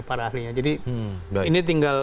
para ahlinya jadi ini tinggal